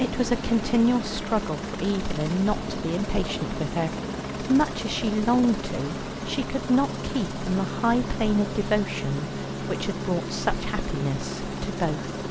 It was a continual struggle for Evelyn not to be impatient with her; much as she longed to, she could not keep on the high plane of devotion, which had brought such happiness to both.